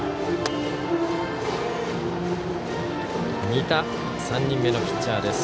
仁田、３人目のピッチャーです。